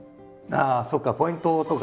ああそうかポイントとか。